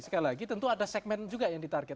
sekali lagi tentu ada segmen juga yang ditarget